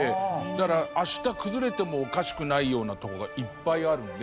だから明日崩れてもおかしくないようなとこがいっぱいあるので。